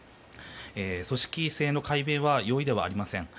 組織性の解明は容易ではありません。